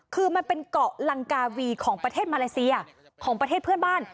คือมันเป็นเกาะลังกาวีของประเทศมาเลเซียของประเทศเพื่อนบ้าน